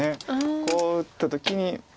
こう打った時に。